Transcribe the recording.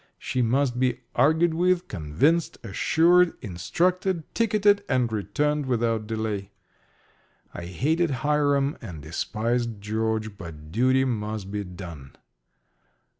She must be argued with, convinced, assured, instructed, ticketed, and returned without delay. I hated Hiram and despised George; but duty must be done.